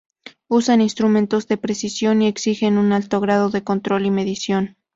Usan instrumentos de precisión y exigen un alto grado de control y medición.